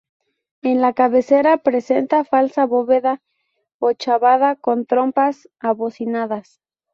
En la cabecera presenta falsa bóveda ochavada con trompas abocinadas.